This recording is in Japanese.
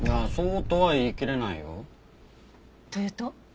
そうとは言いきれないよ。というと？